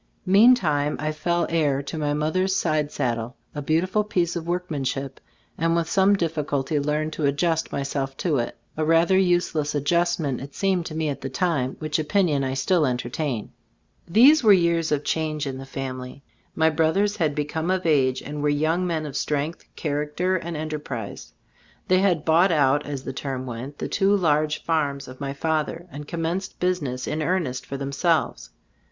Meantime, I fell heir to my moth er's side saddle, a beautiful piece of workmanship, and with some difficulty learned to adjust myself to it, a rather useless adjustment it seemed to me at the time, which opinion I still entertain. 40 tCbe Stors of As Cbtl&boofc These were years of change in the family. My brothers had become of age and were young men of strength, character and enterprise. They had "bought out" as the term went, the two large farms of my father, and commenced business in earnest for themselves.